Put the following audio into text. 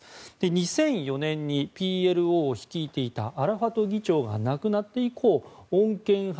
２００４年にＰＬＯを率いていたアラファト議長が亡くなって以降穏健派